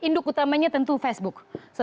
induk utamanya tentu facebook